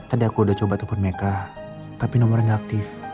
aku udah coba telfon meka tapi nomernya gak aktif